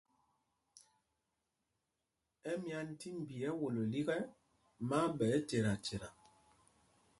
Ɛmyán tí mbi ɛ́wolo lîk ɛ, má á ɓɛ ɛ́cetaceta.